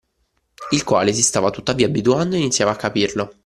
Il quale si stava tuttavia abituando e iniziava a capirlo